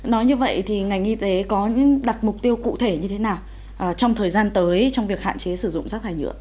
nói như vậy thì ngành y tế có đặt mục tiêu cụ thể như thế nào trong thời gian tới trong việc hạn chế sử dụng rác thải nhựa